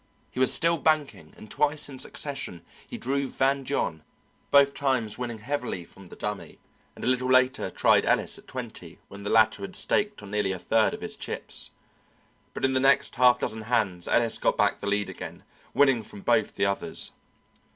He was still banking, and twice in succession he drew Van John, both times winning heavily from the Dummy, and a little later tied Ellis at twenty when the latter had staked on nearly a third of his chips. But in the next half dozen hands Ellis got back the lead again, winning from both the others.